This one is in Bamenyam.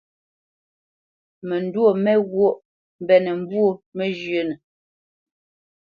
Məndwô mé ghwôʼ mbénə̄ mbwô məzhə́nə.